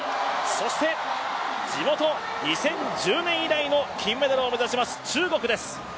そして地元、２０１０年以来の金メダルを目指します中国です。